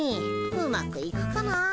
うまくいくかなあ。